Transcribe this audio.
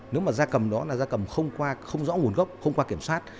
nếu mà gia cầm đó là da cầm không rõ nguồn gốc không qua kiểm soát